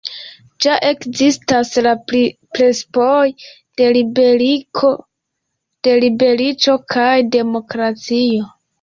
Ja ekzistas la principoj de libereco kaj demokratio.